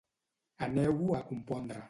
Aneu-ho a compondre.